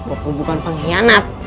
aku bukan pengkhianat